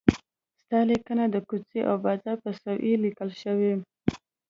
ستا لیکنه د کوڅې او بازار په سویې لیکل شوې.